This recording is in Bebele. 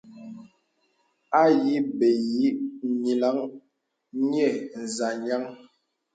Ayi bə īī nyilaŋ nyə̄ nzâ jaŋ.